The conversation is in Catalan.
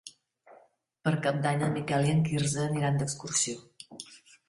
Per Cap d'Any en Miquel i en Quirze aniran d'excursió.